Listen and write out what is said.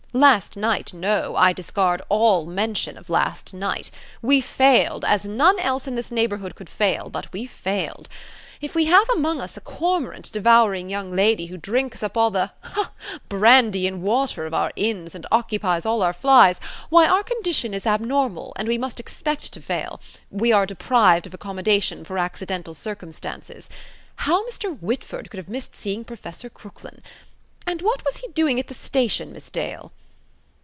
Last night, no: I discard all mention of last night. We failed: as none else in this neighbourhood could fail, but we failed. If we have among us a cormorant devouring young lady who drinks up all the ha! brandy and water of our inns and occupies all our flys, why, our condition is abnormal, and we must expect to fail: we are deprived of accommodation for accidental circumstances. How Mr. Whitford could have missed seeing Professor Crooklyn! And what was he doing at the station, Miss Dale?"